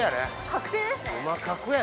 確定ですね。